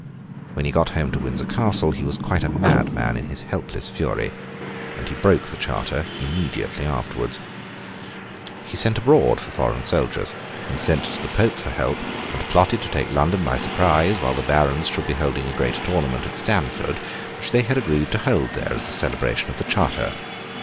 When he got home to Windsor Castle, he was quite a madman in his helpless fury. And he broke the charter immediately afterwards. He sent abroad for foreign soldiers, and sent to the Pope for help, and plotted to take London by surprise, while the Barons should be holding a great tournament at Stamford, which they had agreed to hold there as a celebration of the charter.